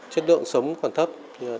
chất lượng sống còn thấp